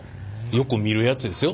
よく見るやつですよ